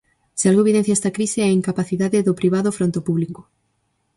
Se algo evidencia esta crise é a incapacidade do privado fronte ao público.